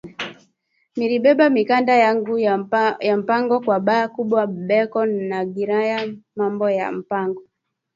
Miri beba mikanda yangu ya mpango kwa ba kubwa beko nagariya mambo ya ma mpango